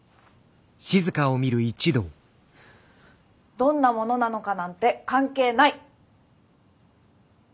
どんなものなのかなんて関係ない。